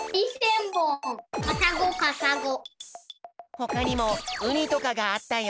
ほかにもウニとかがあったよ。